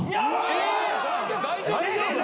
大丈夫？